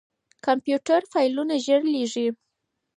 کمپيوټر فايلونه ژر لېږي.